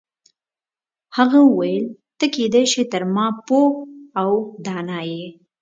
هغه وویل ته کیدای شي تر ما پوه او دانا یې.